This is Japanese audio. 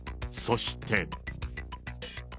そして。